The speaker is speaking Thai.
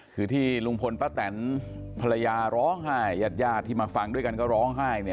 คือที่ลุงพลป้าแตนภรรยาร้องไห้ญาติที่มาฟังด้วยกันก็ร้องไห้